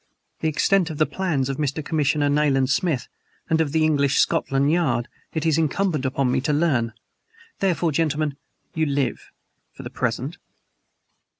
The extent of the plans of Mr. Commissioner Nayland Smith and of the English Scotland Yard it is incumbent upon me to learn. Therefore, gentlemen, you live for the present!"